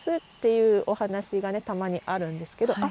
っていうお話がたまにあるんですけど。